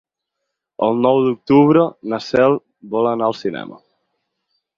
El nou d'octubre na Cel vol anar al cinema.